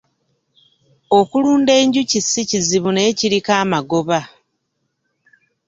Okulunda enjuki si kizibu naye kiriko amagoba.